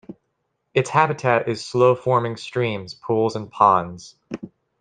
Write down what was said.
Its habitat is slow flowing streams, pools and ponds.